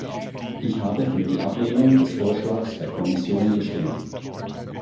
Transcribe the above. Ich habe für die Ablehnung des Vorschlags der Kommission gestimmt.